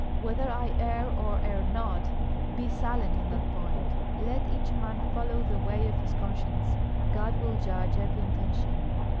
Whether I err or err not, be silent on that point. Let each man follow the way of his conscience; God will judge every intention.